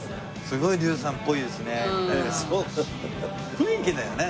雰囲気だよね。